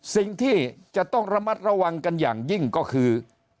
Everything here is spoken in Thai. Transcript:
สิ่งที่จะต้องระมัดระวังกันอย่างยิ่งก็คือ